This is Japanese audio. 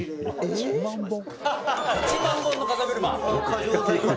「１万本の風車？」